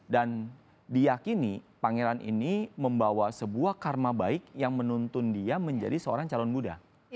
dan diyakini pangeran ini membawa sebuah karma baik yang menuntun dia menjadi seorang calon buddhis